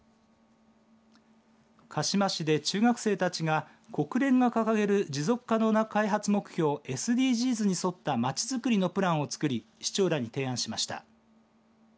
鹿嶋市で中学生たちが国連が掲げる持続可能な開発目標ＳＤＧｓに沿ったまちづくりのプランを作り市長らに提案しました。